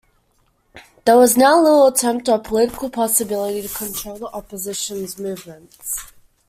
There was now little attempt or political possibility to control the opposition's movements.